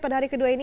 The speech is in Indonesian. pada hari ini